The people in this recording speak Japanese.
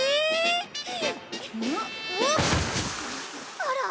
あら。